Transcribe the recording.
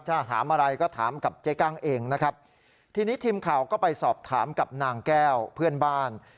ถ้าถามอะไรก็ถามกับเจ๊กั้งเองนะครับทีนี้ทีมข่าวก็ไปสอบถามกับนางแก้วเพื่อนบ้าน